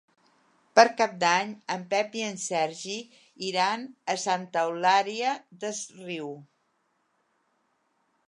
Per Cap d'Any en Pep i en Sergi iran a Santa Eulària des Riu.